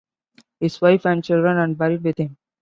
His wife and children are buried with him.